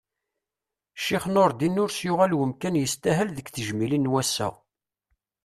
Ccix Nurdin ur s-yuɣal umkan yestahel deg tejmilin n wassa.